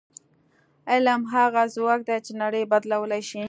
علم هغه ځواک دی چې نړۍ بدلولی شي.